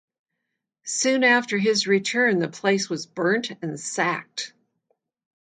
Soon after his return the place was burnt and sacked.